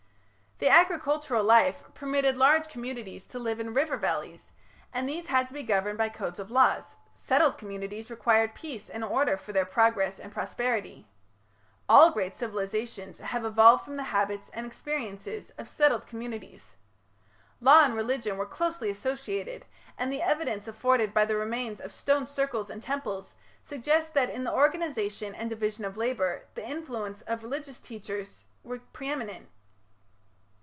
The agricultural life permitted large communities to live in river valleys, and these had to be governed by codes of laws; settled communities required peace and order for their progress and prosperity. All great civilizations have evolved from the habits and experiences of settled communities. Law and religion were closely associated, and the evidence afforded by the remains of stone circles and temples suggests that in the organization and division of labour the influence of religious teachers was pre eminent.